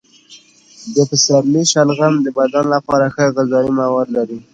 د پسرلي شلغم د بدن لپاره ښه غذايي مواد لري.